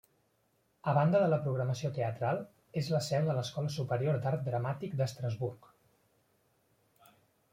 A banda de la programació teatral, és la seu de l'Escola Superior d'Art Dramàtic d'Estrasburg.